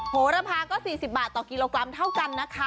โหระพาก็๔๐บาทต่อกิโลกรัมเท่ากันนะคะ